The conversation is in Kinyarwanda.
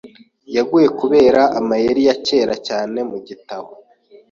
Yaguye kubera amayeri ya kera cyane mu gitabo.